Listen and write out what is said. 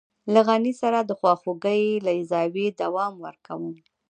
له غني سره د خواخوږۍ له زاويې دوام ورکوم.